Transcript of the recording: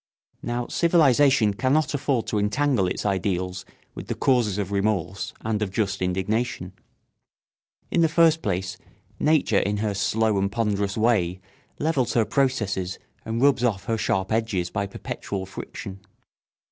] Now civilisation cannot afford to entangle its ideals with the causes of remorse and of just indignation. In the first place nature in her slow and ponderous way levels her processes and rubs off her sharp edges by perpetual friction.